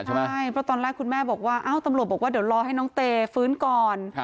ใช่เพราะตอนแรกคุณแม่บอกว่าตำรวจบอกว่าเดี๋ยวรอให้น้องเตฟื้นก่อน